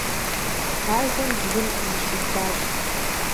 Ажэм бгым зыщидзащ.